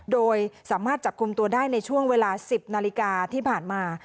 โดยสามารถจับกลุ่มตัวได้ในช่วงเวลา๑๐นาฬิกาที่ผ่านมา